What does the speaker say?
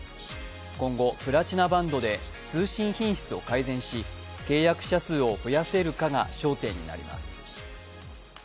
今後、プラチナバンドで通信品質を改善し契約者数を増やせるかが焦点になります。